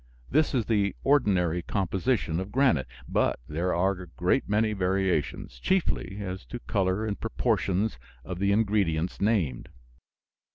This is the ordinary composition of granite, but there are a great many variations, chiefly as to color and proportions of the ingredients named.